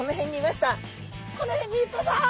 「この辺にいたぞ！